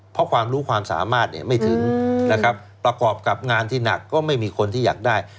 เพราะความรู้ความสามารถเนี่ยไม่ถึงนะครับประกอบกับงานที่หนักก็ไม่มีคนที่อยากได้